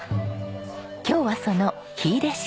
今日はその火入れ式。